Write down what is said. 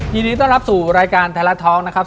ยินดีต้อนรับสู่รายการไทยรัฐท้องนะครับ